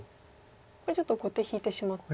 これちょっと後手引いてしまった。